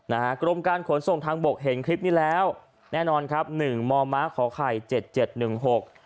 กรมการขนส่งทางบกเห็นคลิปนี้แล้วแน่นอนครับหนึ่งมอม้าขอไข่เจ็ดเจ็ดหนึ่งหก